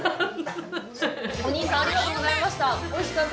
お兄さん、ありがとうございました。